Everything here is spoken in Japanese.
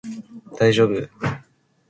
大丈夫